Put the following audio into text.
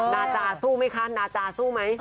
นาจาสู้ไหมคะนาจาสู้ไหม